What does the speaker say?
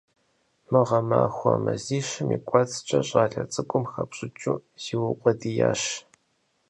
Мы гъэмахуэ мазищым и кӀуэцӀкӀэ щӀалэ цӀыкӀум хэпщӀыкӀыу зиукъуэдиящ.